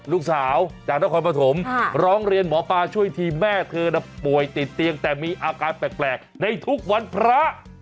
ลูกสาวจากนครปฐมร้องเรียนหมอปลาช่วยทีแม่เธอน่ะป่วยติดเตียงแต่มีอาการแปลกในทุกวันพระ